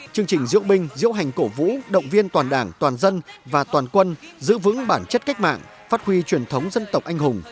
chương trình diễu binh diễu hành cổ vũ động viên toàn đảng toàn dân và toàn quân giữ vững bản chất cách mạng phát huy truyền thống dân tộc anh hùng